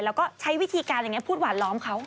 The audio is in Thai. แล้วก็ใช้วิธีการอย่างนี้พูดหวานล้อมเขา